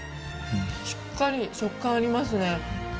しっかり食感ありますね。